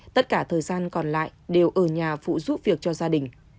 tất cả thời gian còn lại đều ở nhà phụ giúp việc cho gia đình